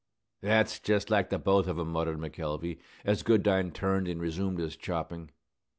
"That's just like the both of 'em," muttered McElvey, as Goodine turned and resumed his chopping.